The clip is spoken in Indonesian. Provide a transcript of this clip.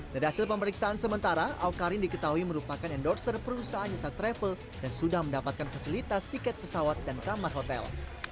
dari hasil pemeriksaan sementara awkarin diketahui merupakan endorser perusahaan jasa travel dan sudah mendapatkan fasilitas tiket pesawat dan kamar hotel